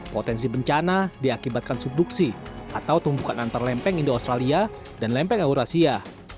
potensi bencana diakibatkan subduksi atau tumbukan antar lempeng indo australia dan lempeng aurasia